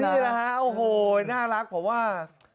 นี่แหละโอ้โฮน่ารักเพราะว่า